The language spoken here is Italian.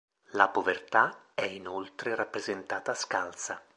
La Povertà è inoltre rappresentata scalza.